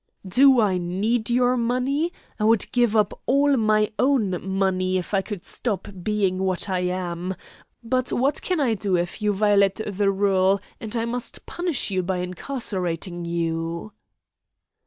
"Do I need your money? I would give up all my own money if I could stop being what I am. But what can I do if you violate the rule and I must punish you by incarcerating you?"